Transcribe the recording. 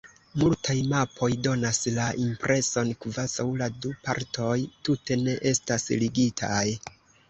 Multaj mapoj donas la impreson, kvazaŭ la du partoj tute ne estas ligitaj.